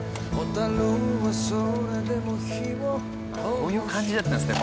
こういう感じだったんですね